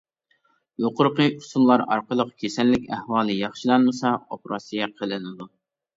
يۇقىرىقى ئۇسۇللار ئارقىلىق كېسەللىك ئەھۋالى ياخشىلانمىسا ئوپېراتسىيە قىلىنىدۇ.